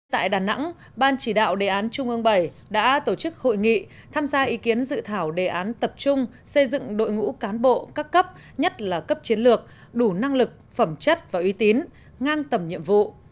tại đà nẵng ban chỉ đạo đề án trung ương bảy đã tổ chức hội nghị tham gia ý kiến dự thảo đề án tập trung xây dựng đội ngũ cán bộ các cấp nhất là cấp chiến lược đủ năng lực phẩm chất và uy tín ngang tầm nhiệm vụ